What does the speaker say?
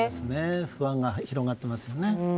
不安が広がっていますよね。